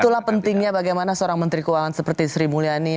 itulah pentingnya bagaimana seorang menteri keuangan seperti sri mulyani